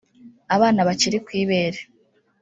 abana bakiri ku ibere